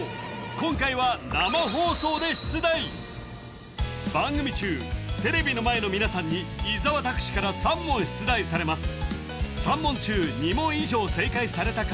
今回は生放送で出題番組中テレビの前の皆さんに伊沢拓司から３問出題されます